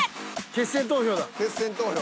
決選投票。